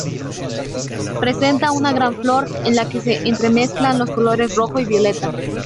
Presenta una gran flor en la que se entremezclan los colores rojo y violeta.